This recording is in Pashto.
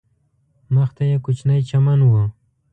مخ ته یې کوچنی چمن و.